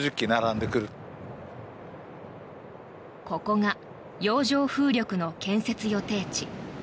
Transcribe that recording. ここが洋上風力の建設予定地。